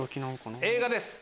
映画です。